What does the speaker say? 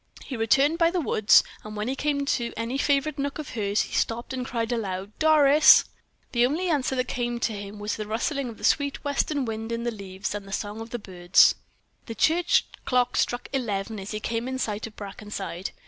He returned by the woods, and when he came to any favorite nook of hers, he stopped and cried aloud: "Doris." The only answer that came to him was the rustling of the sweet western wind in the leaves, and the song of the birds. The church clock struck eleven as he came in sight of Brackenside.